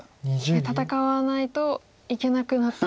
戦わないといけなくなってきた。